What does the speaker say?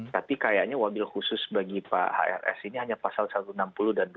tapi kayaknya wabil khusus bagi pak hrs ini hanya pasal satu ratus enam puluh dan dua